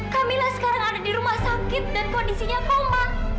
kamilah sekarang ada di rumah sakit dan kondisinya koma